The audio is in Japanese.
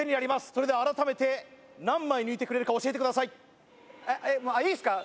それでは改めて何枚抜いてくれるか教えてくださいえっいいすか？